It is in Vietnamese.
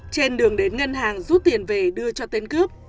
trên đường đến ngân hàng rút tiền về đưa cho tên cướp